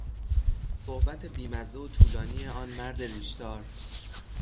صحبت بیمزه و طولانی آن مرد ریشدار